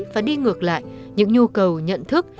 và đi ngược lại những nhu cầu nhận thức